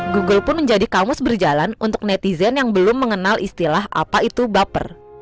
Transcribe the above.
google pun menjadi kamus berjalan untuk netizen yang belum mengenal istilah apa itu baper